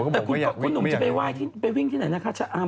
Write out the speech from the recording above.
แต่คุณหนุ่มจะไปไหว้ไปวิ่งที่ไหนนะคะชะอำ